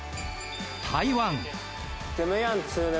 台湾。